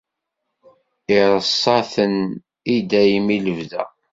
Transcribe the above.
Ireṣṣa-ten i dayem, i lebda.